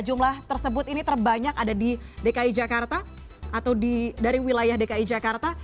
jumlah tersebut ini terbanyak ada di dki jakarta atau dari wilayah dki jakarta